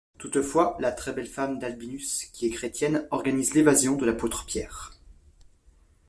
Toutefois, la très belle femme d'Albinus qui est chrétienne organise l'évasion de l'apôtre Pierre.